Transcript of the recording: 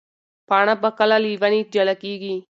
پاڼه به کله له ونې جلا کېږي؟